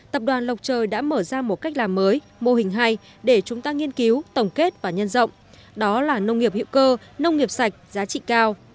tập đoàn lộc trời đã mở ra một cách làm mới mô hình hay để chúng ta nghiên cứu tổng kết và nhân rộng đó là nông nghiệp hữu cơ nông nghiệp sạch giá trị cao